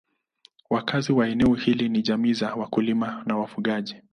Wakazi wa eneo hili ni jamii za wakulima na wafugaji.